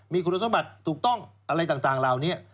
มีคุณสมบัติถูกต้องอะไรต่างเหล่านี้